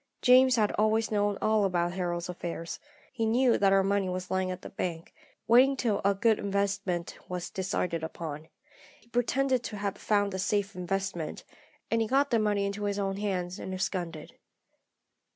"James had always known all about Harold's affairs. He knew that our money was lying at the bank, waiting till a good investment was decided upon. He pretended to have found a safe investment, and he got the money into his own hands and absconded.